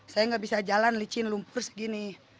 saya nggak bisa jalan licin lumpur segini